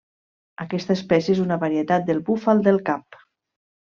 Aquesta espècie és una varietat del búfal del Cap.